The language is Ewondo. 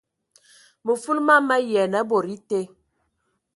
Mə fulu mam ma yian a bod été.